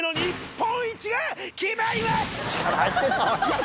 力入ってんな。